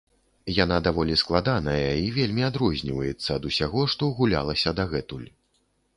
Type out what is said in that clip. Яна даволі складаная і вельмі адрозніваецца ад усяго, што гулялася дагэтуль.